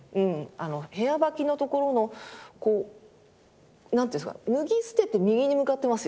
部屋履きのところのこう何ていうんですか脱ぎ捨てて右に向かってますよね。